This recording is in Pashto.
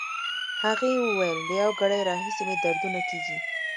هغې وویل: له یو ګړی راهیسې مې دردونه کېږي.